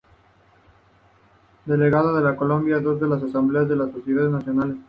Delegado de Colombia a dos de las asambleas de la Sociedad de las Naciones.